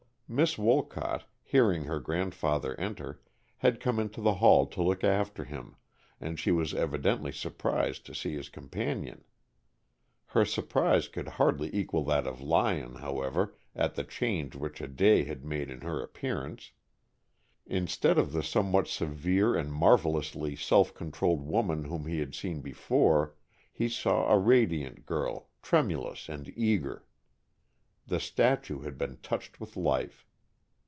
Miss Wolcott, hearing her grandfather enter, had come into the hall to look after him, and she was evidently surprised to see his companion. Her surprise could hardly equal that of Lyon, however, at the change which a day had made in her appearance. Instead of the somewhat severe and marvellously self controlled woman whom he had seen before, he saw a radiant girl, tremulous and eager. The statue had been touched with life.